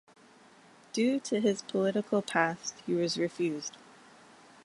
Due to his political past, he was refused.